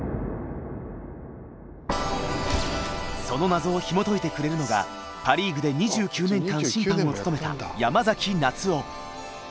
その謎をひもといてくれるのがパ・リーグで２９年間審判を務めた山崎夏生。